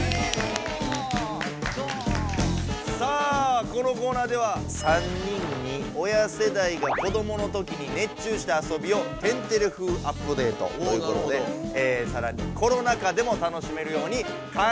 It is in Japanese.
さあこのコーナーでは３人に親世代が子どものときに熱中した遊びを「天てれ風アップデート！」ということでさらにコロナ禍でも楽しめるように考えてもらいましたね。